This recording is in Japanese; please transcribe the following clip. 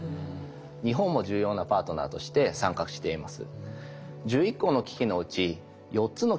日本も重要なパートナーとして参画しています。